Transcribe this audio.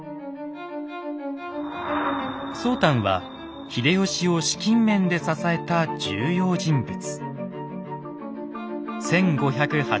宗湛は秀吉を資金面で支えた重要人物。